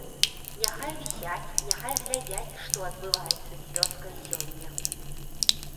Няхай вісяць, няхай глядзяць, што адбываецца з вёскай сёння.